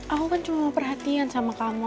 aku kan cuma perhatian sama kamu